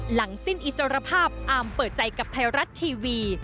หลังสิ้นอิสรภาพอาร์มเปิดใจกับไทยรัฐทีวี